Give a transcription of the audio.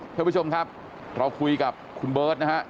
เพื่อนผู้ชมครับเราคุยกับคุณเบิร์ตนะครับ